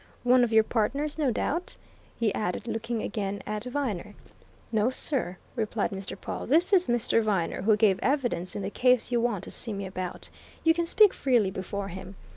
"One of your partners, no doubt!" he added, looking again at Viner. "No sir," replied Mr. Pawle. "This is Mr. Viner, who gave evidence in the case you want to see me about. You can speak freely before him.